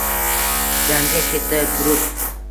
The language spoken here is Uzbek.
Jangga keta turib